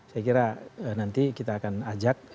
saya kira nanti kita akan ajak